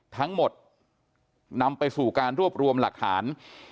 ทั้งหมดนำไปสู่การรวบรวมหลักฐาน